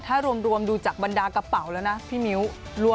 ถ้ารวมดูจากบรรดากระเป๋าแล้วนะพี่มิ้ว